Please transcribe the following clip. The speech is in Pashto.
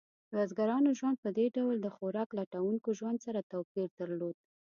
د بزګرانو ژوند په دې ډول د خوراک لټونکو ژوند سره توپیر درلود.